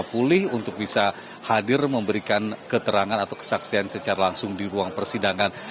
pulih untuk bisa hadir memberikan keterangan atau kesaksian secara langsung di ruang persidangan